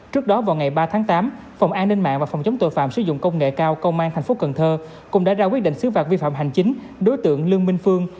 trước đó vào ngày ba tháng tám phòng an ninh mạng và phòng chống tội phạm sử dụng công nghệ cao công an thành phố cần thơ cũng đã ra quyết định xứ phạt vi phạm hành chính đối tượng lương minh phương